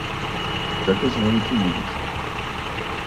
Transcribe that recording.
– Как изволите видеть.